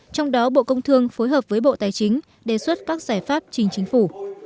trong đó bộ công thương phối hợp với bộ tài chính đề xuất các giải pháp chính chính phủ